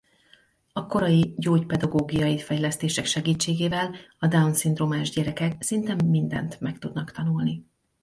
A korai gyógypedagógiai fejlesztések segítségével a Down-szindrómás gyerekek szinte mindent meg tudnak tanulni.